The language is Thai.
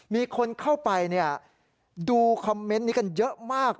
มีคนเข้าไปดูคอมเมนต์นี้กันเยอะมาก